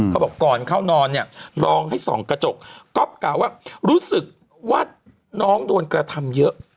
บอกก่อนเข้านอนเนี่ยลองให้ส่องกระจกก๊อฟกล่าวว่ารู้สึกว่าน้องโดนกระทำเยอะ